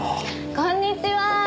こんにちは！